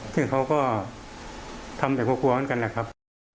ซึ่งเขาก็ทำแต่ควบความเหมือนกันแหละครับ